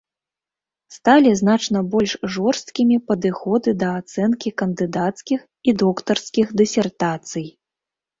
Сталі значна больш жорсткімі падыходы да ацэнкі кандыдацкіх і доктарскіх дысертацый.